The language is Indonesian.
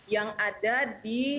yang ada di